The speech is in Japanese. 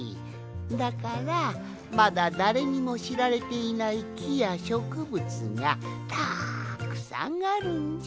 だからまだだれにもしられていないきやしょくぶつがたっくさんあるんじゃ。